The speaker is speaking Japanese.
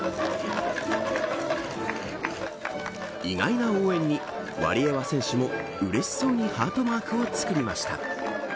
意外な応援にワリエワ選手も嬉しそうにハートマークを作りました。